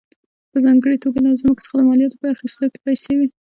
په ځانګړې توګه له ځمکو څخه د مالیاتو په اخیستو کې پیسې وې.